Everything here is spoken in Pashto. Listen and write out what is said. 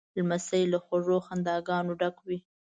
لمسی له خوږو خنداګانو ډک وي.